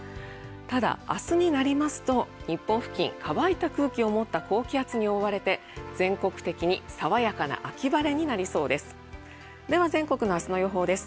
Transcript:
ただ、明日は乾いた空気を持った高気圧に覆われて全国的にさわやかな秋晴れになりそうです。